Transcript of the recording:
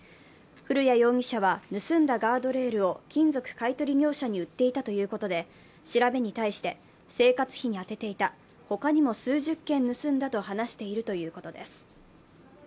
古谷容疑者は盗んだガードレールを金属買い取り業者に売っていたということで、調べに対して、生活費に充てていた他にも数十件盗んだと話しているということです。